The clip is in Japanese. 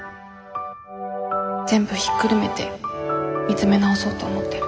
全部ひっくるめて見つめ直そうと思ってる。